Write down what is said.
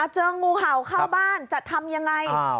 เจองูเห่าเข้าบ้านจะทำยังไง